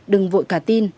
đừng vội cả tin